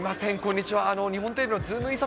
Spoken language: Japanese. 日本テレビのズームイン！！